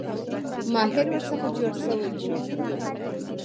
ماهر ورڅخه جوړ شوی وو.